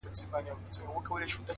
تمرکز ګډوډي په چوپتیا بدلوي!